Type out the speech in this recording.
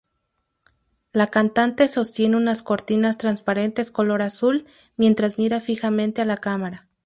La cantante sostiene unas cortinas transparentes color azul mientras mira fijamente a la cámara.